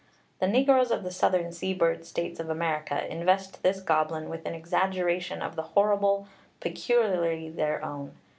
The negroes of the southern seaboard states of America invest this goblin with an exaggeration of the horrible peculiarly their own.